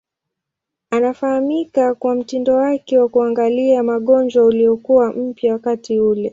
Anafahamika kwa mtindo wake wa kuangalia magonjwa uliokuwa mpya wakati ule.